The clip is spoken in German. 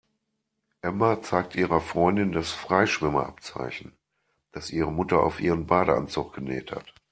Emma zeigt ihrer Freundin das Freischwimmer-Abzeichen, das ihre Mutter auf ihren Badeanzug genäht hat.